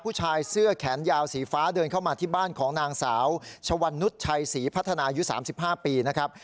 ผู้ชายเสื้อแขนยาวสีฟ้าเดินเข้ามาที่บ้านของนางสาวชวันนุษย์ชัยศรีพัฒนายุ๓๕ปีนะครับ